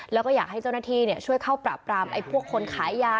แล้วก็อยากให้เจ้าหน้าที่ช่วยเข้าปราบปรามพวกคนขายยา